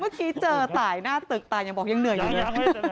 เมื่อกี้เจอตายหน้าตึกตายยังบอกยังเหนื่อยอยู่เลย